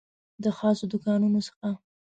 د خاصو دوکانونو څخه